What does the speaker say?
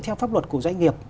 theo pháp luật của doanh nghiệp